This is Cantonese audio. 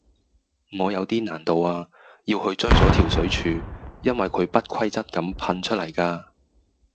我有啲難度呀，要去追咗條水柱，因為佢不規則咁噴出嚟㗎